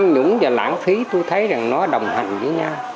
nhưng đó là việc làm không ai muốn